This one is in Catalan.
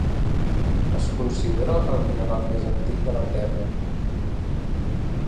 Es considera el mineral més antic de la Terra.